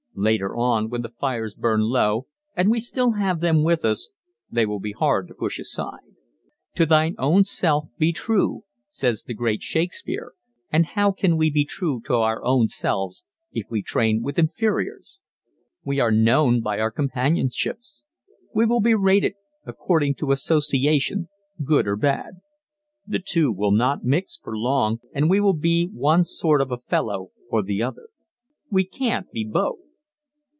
Later on when the fires burn low and we still have them with us they will be hard to push aside. "To thine own self be true," says the great Shakespeare and how can we be true to our own selves if we train with inferiors? We are known by our companionships. We will be rated according to association good or bad. The two will not mix for long and we will be one sort of a fellow or the other. We can't be both.